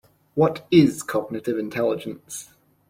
What is cognitive intelligence?